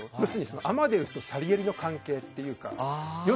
アマデウスとサリエリの関係というか。